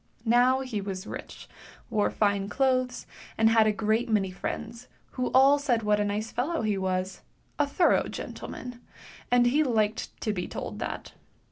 Now he was rich, wore fine clothes, and had a great many friends, who all said what a nice fellow he was — a thorough gentleman — and he liked to be told that.